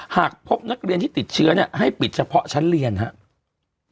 หากพบนักเรียนที่ติดเชื้อให้ปิดเฉพาะชั้นเรียนครับ